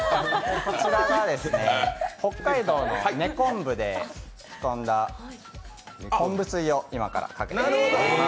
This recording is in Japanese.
こちらが北海道の根昆布で煮込んだ昆布水を今からかけています。